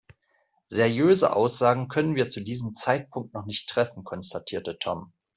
Seriöse Aussagen können wir zu diesem Zeitpunkt noch nicht treffen, konstatierte Tom.